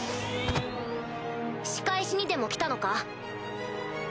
仕返しにでも来たのか？